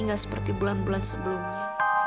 tidak seperti bulan bulan sebelumnya